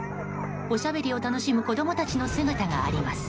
おしゃべりを楽しむ子供たちの姿があります。